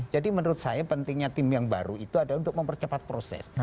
jadi menurut saya pentingnya tim yang baru itu ada untuk mempercepat proses